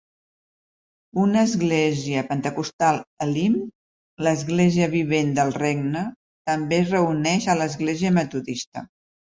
Una Església Pentecostal Elim, l'Església Vivent del Regne, també es reuneix a l'església metodista.